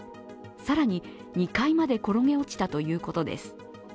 更に、２階まで転げ落ちたということです。